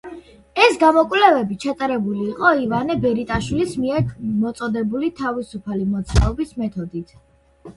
ეს გამოკვლევები ჩატარებული იყო ივანე ბერიტაშვილის მიერ მოწოდებული თავისუფალი მოძრაობის მეთოდით.